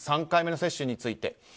３回目の接種について。